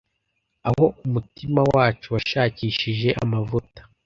aho umutima wacu washakishije amavuta